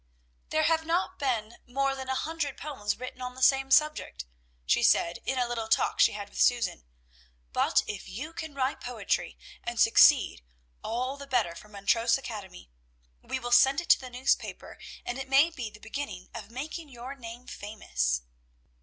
"There have not been more than a hundred poems written on the same subject," she said in a little talk she had with Susan; "but if you can write poetry, and succeed, all the better for Montrose Academy. We will send it to the newspaper, and it may be the beginning of making your name famous."